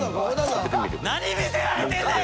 何見せられてんねん！